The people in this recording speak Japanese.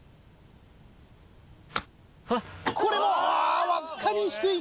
これもあわずかに低いか？